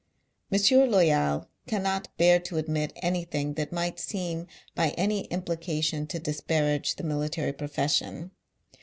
M. Loyal canuot bear to admit anything that might seem by any implication to disparage the military profession.